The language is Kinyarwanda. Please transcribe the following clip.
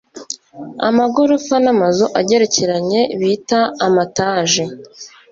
Amagorofa n' amazu agerekeranye bita amataji.